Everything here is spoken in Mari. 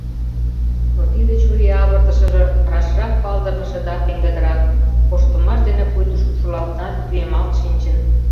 Но тиде чурийавыртышыже рашрак палдырныше да пеҥгыдырак, корштымаш дене пуйто шупшылалтынат, кӱэмалт шинчын.